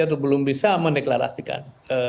atau belum bisa mendeklarasikan